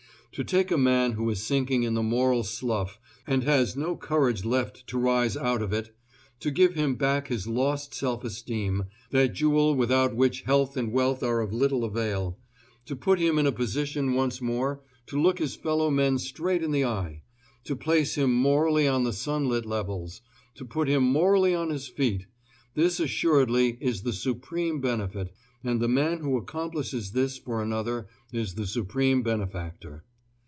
To take a man who is sinking in the moral slough and has no courage left to rise out of it; to give him back his lost self esteem, that jewel without which health and wealth are of little avail; to put him in a position once more to look his fellow men straight in the eye; to place him morally on the sun lit levels; to put him morally on his feet this assuredly is the supreme benefit, and the man who accomplishes this for another is the supreme benefactor.